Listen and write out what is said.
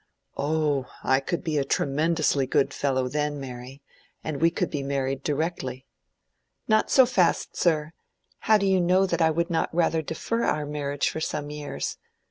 "Oh, I could be a tremendously good fellow then, Mary, and we could be married directly." "Not so fast, sir; how do you know that I would not rather defer our marriage for some years?